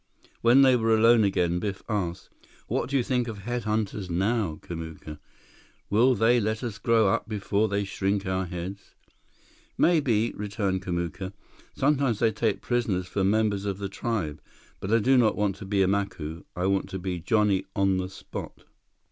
When they were alone again, Biff asked: "What do you think about head hunters now, Kamuka? Will they let us grow up before they shrink our heads?" "Maybe," returned Kamuka. "Sometimes they take prisoners for members of the tribe. But I do not want to be Macu. I want to be johnny on the spot."